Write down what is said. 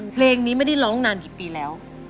เพลงนี้ไม่ได้ร้องนานกี่ปีแล้ว